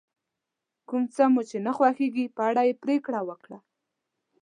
کوم څه مو نه خوښیږي په اړه یې پرېکړه وکړه.